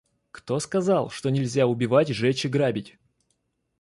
Кто сказал, что нельзя убивать, жечь и грабить?